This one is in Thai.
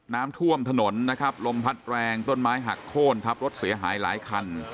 น้ำท่วมถนนนะครับลมพัดแรงต้นไม้หักโค้นทับรถเสียหายหลายคัน